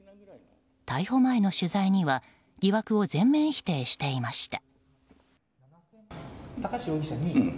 逮捕前の取材には疑惑を全面否定していました。